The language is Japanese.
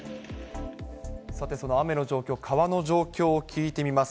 さてその雨の状況、川の状況を聞いてみます。